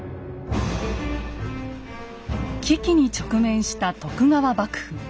危機に直面した徳川幕府。